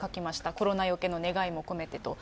コロナよけの願いも込めてと。